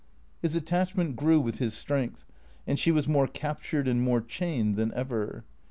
His attachment grew with his strength, and she was more captured and more chained than ever.